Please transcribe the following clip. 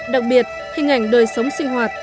đặc biệt hình ảnh đời sống sinh hoạt